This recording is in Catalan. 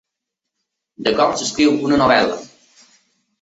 De com s'escriu una novel·la.